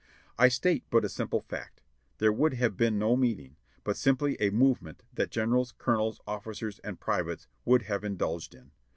I state but a simple fact; there would have been no meeting, but simply a movement that generals, colonels, officers and privates would have indulged in.